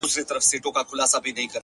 کلونه کیږي بې ځوابه یې بې سواله یې؛